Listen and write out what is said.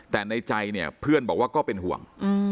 แต่ในใจเนี่ยเพื่อนบอกว่าก็เป็นห่วง